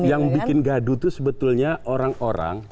yang bikin gaduh itu sebetulnya orang orang